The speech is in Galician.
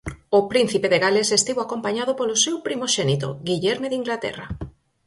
O príncipe de Gales estivo acompañado polo seu primoxénito, Guillerme de Inglaterra.